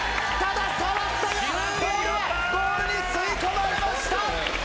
触ったがボールはゴールに吸い込まれました！